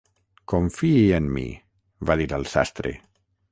"Confiï en mi", va dir el sastre.